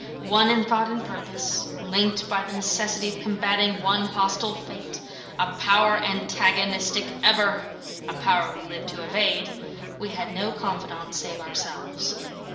One in thought and purpose, linked by the necessity of combating one hostile fate, a power antagonistic ever, a power we lived to evade, we had no confidants save ourselves.